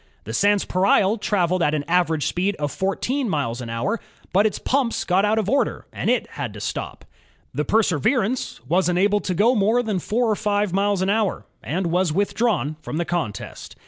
The Sanspareil traveled at an average speed of fourteen miles an hour, but its pumps got out of order and it had to stop. The Perseverance was unable to go more than four or five miles an hour, and was withdrawn from the contest.